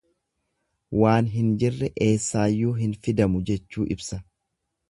Waan hin jirre eessaayyuu hin fidamuu jechuu ibsa.